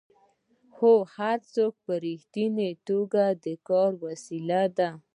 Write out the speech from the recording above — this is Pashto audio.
هو ځواک په رښتیا د توکو د کار وسیله ده